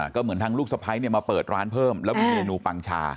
ก็เหมือนทางลูกสะพ้ายมาเปิดร้านเพิ่มแล้วมีเมนูปังชา